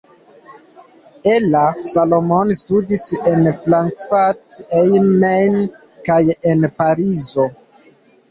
Ella Salamon studis en Frankfurt am Main kaj en Parizo.